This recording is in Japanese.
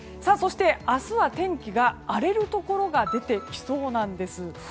明日は天気が荒れるところが出てきそうです。